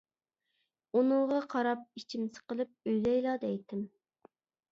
ئۇنىڭغا قاراپ ئىچىم سىقىلىپ ئۆلەيلا دەيتتىم.